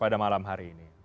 pada malam hari ini